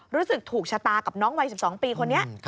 รู้สึกถูกชะตากับน้องวัย๑๒ปีคนนี้